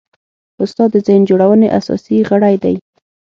استاد د ذهن جوړونې اساسي غړی دی.